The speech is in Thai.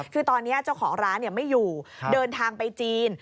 คือตอนนี้เจ้าของร้านไม่อยู่เดินทางไปจีน